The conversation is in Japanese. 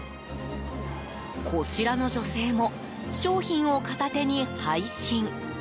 こちらの女性も商品を片手に配信。